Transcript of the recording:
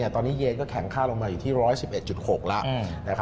ตอนนี้เยนก็แข็งค่าลงมาอยู่ที่๑๑๑๖แล้ว